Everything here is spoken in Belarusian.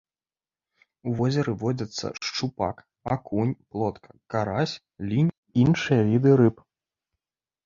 У возеры водзяцца шчупак, акунь, плотка, карась, лінь і іншыя віды рыб.